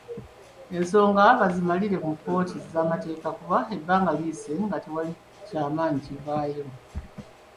Ensonga bazimalire mu kkooti z'amateeka kuba ebbanga liyise naye tewali ky'amaanyi kivaayo.